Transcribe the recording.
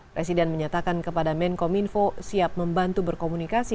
presiden menyatakan kepada menkominfo siap membantu berkomunikasi